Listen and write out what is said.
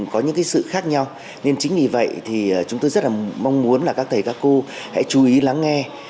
có những sự khác nhau nên chính vì vậy thì chúng tôi rất là mong muốn là các thầy các cô hãy chú ý lắng nghe